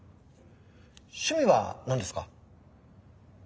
趣味は何ですか？